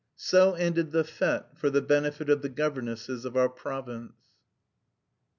So ended the fête for the benefit of the governesses of our province.